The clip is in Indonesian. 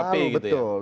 sudah masa lalu betul